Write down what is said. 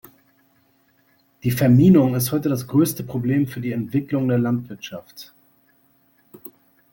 Die Verminung ist heute das größte Problem für die Entwicklung der Landwirtschaft.